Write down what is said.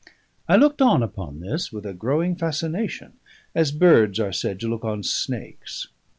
I looked on upon this with a growing fascination, as birds are said to look on snakes.